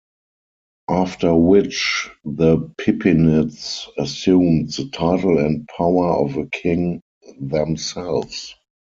After which the Pippinids assumed the title and power of a king themselves.